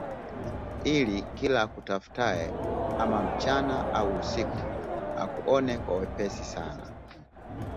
ili kila akutafutaye ama mchana au usiku akuone kwa wepesi sana